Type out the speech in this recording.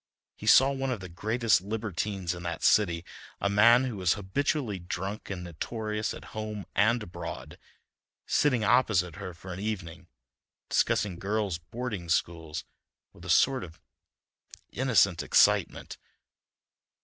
He saw one of the greatest libertines in that city, a man who was habitually drunk and notorious at home and abroad, sitting opposite her for an evening, discussing girls' boarding schools with a sort of innocent excitement.